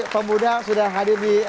pemuda sudah hadir di